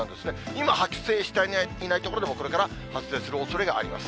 今、発生していない所でも、これから発生するおそれがあります。